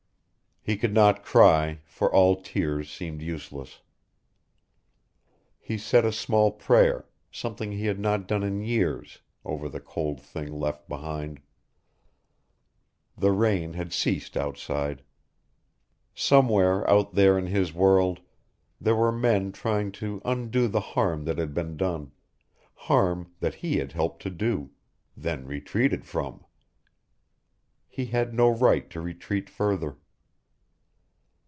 He could not cry for all tears seemed useless. He said a small prayer, something he had not done in years, over the cold thing left behind. The rain had ceased outside. Somewhere out there in his world there were men trying to undo the harm that had been done, harm that he had helped to do, then retreated from. He had no right to retreat further.